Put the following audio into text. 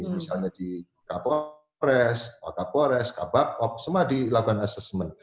misalnya di kapolres otak polres kabupaten semua dilakukan assessment